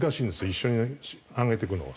一緒に上げていくのは。